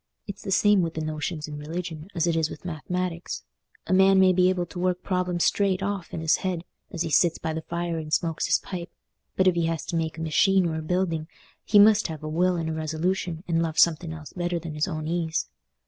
It's the same with the notions in religion as it is with math'matics—a man may be able to work problems straight off in's head as he sits by the fire and smokes his pipe, but if he has to make a machine or a building, he must have a will and a resolution and love something else better than his own ease.